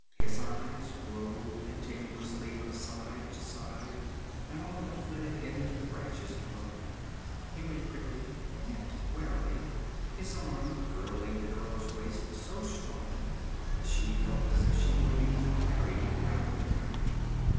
His eyes roved continuously from side to side, and often flitted into the branches above them. He went quickly yet warily, his arm girdling the girl's waist so strongly that she felt as if she were being carried rather than guided.